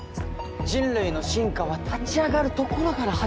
人類の進化は立ち上がるところから始まってんだよ。